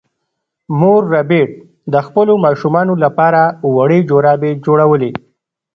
مور ربیټ د خپلو ماشومانو لپاره وړې جرابې جوړولې